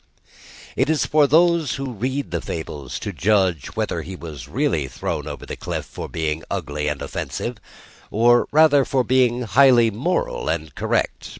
It is for those who read the Fables to judge whether he was really thrown over the cliff for being ugly and offensive, or rather for being highly moral and correct.